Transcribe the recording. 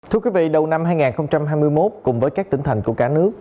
thưa quý vị đầu năm hai nghìn hai mươi một cùng với các tỉnh thành của cả nước